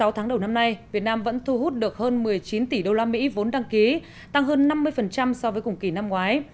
sáu tháng đầu năm nay việt nam vẫn thu hút được hơn một mươi chín tỷ usd vốn đăng ký tăng hơn năm mươi so với cùng kỳ năm ngoái